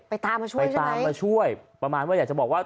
ไปตามมาช่วยประมาณว่าอยากจะบอกว่า